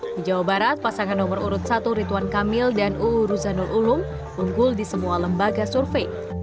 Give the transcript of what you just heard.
di jawa barat pasangan nomor urut satu rituan kamil dan uu ruzanul ulum unggul di semua lembaga survei